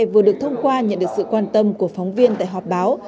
vừa được thông qua nhận được sự quan tâm của phóng viên tại họp báo